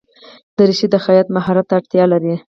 دریشي د خیاط ماهرت ته اړتیا لري.